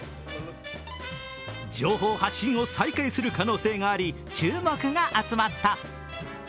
情報発信を再開する可能性があり注目が集まった。